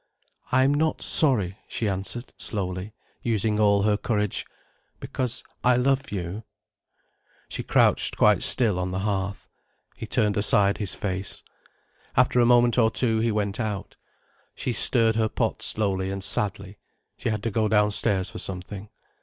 "I'm not sorry," she answered slowly, using all her courage. "Because I love you—" She crouched quite still on the hearth. He turned aside his face. After a moment or two he went out. She stirred her pot slowly and sadly. She had to go downstairs for something.